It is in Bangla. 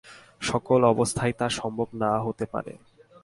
সকল অবস্থায় তা সম্ভব না হতে পারে।